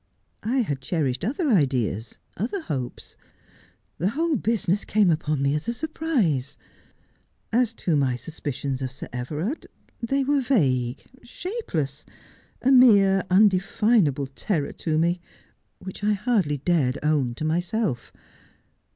I had cherished other ideas, other hopes. The whole business came upon me as a surprise. As to my sus picions of Sir Everard, they were vague — shapeless — a mere un definable terror to me, which I hardly dared own to myself.